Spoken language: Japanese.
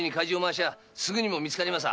わしゃすぐにも見つかります。